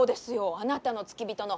あなたの付き人の。